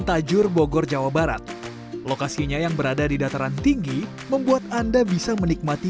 tajur bogor jawa barat lokasinya yang berada di dataran tinggi membuat anda bisa menikmati